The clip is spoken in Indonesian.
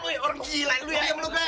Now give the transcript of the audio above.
wih orang gila itu ya